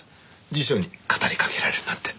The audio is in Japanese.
辞書に語りかけられるなんて。